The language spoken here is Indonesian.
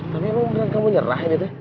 tapi emang bukan kamu nyerahin itu